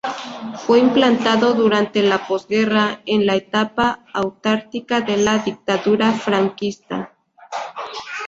Fue implantado durante la posguerra, en la etapa autárquica de la dictadura franquista.